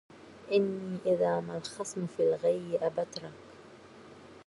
إني إذا ما الخصم في الغي ابترك